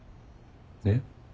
えっ？